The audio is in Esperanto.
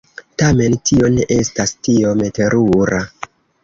Tamen, tio ne estas tiom terura.